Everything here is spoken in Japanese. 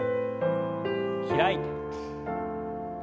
開いて。